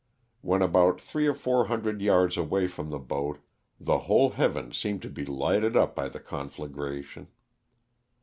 When about three or four hundred yards away from the boat the whole heavens seemed to be lighted up by the con flagration.